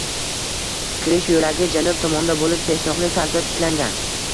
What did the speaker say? Kirish yoʻlagi janub tomonda boʻlib, peshtoqli tarzda tiklangan